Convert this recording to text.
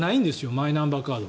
マイナンバーカード。